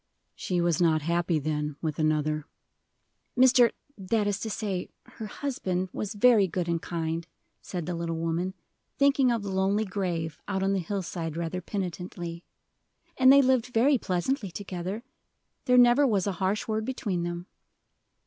"She was not happy, then, with another." "Mr. that is to say, her husband was very good and kind," said the little woman, thinking of the lonely grave out on the hillside rather penitently, "and they lived very pleasantly together. There never was a harsh word between them."